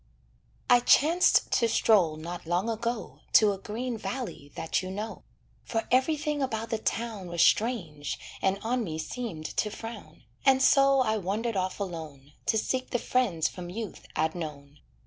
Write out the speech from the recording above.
I chanced to stroll not long ago To a green valley that you know; For everything about the town Was strange, and on me seemed to frown, And so I wandered off alone, To seek the friends from youth I'd known.